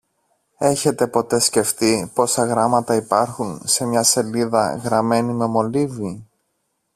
Έχετε ποτέ σκεφτεί πόσα γράμματα υπάρχουν σε μια σελίδα γραμμένη με μολύβι